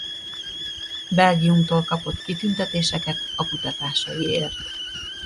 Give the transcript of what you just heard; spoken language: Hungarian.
Belgiumtól kapott kitüntetéseket a kutatásaiért.